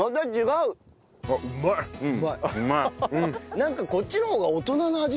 なんかこっちの方が大人の味しない？